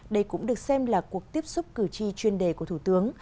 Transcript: đây cũng được xem là cuộc tiếp xúc cử tri chuyên đề của thủ tướng